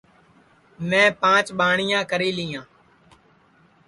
میں پانچ ٻاٹِؔیاں کری لیاں